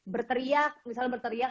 berteriak misalnya berteriak